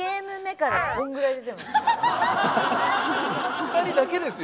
２人だけですよ